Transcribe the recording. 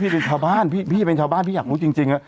เป็นชาวบ้านพี่เป็นชาวบ้านพี่อยากรู้จริง